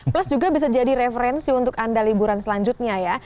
plus juga bisa jadi referensi untuk anda liburan selanjutnya ya